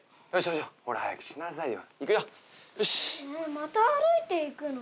また歩いていくの？